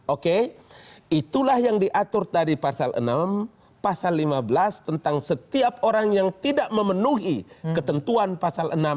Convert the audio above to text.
oke itulah yang diatur tadi pasal enam pasal lima belas tentang setiap orang yang tidak memenuhi ketentuan pasal enam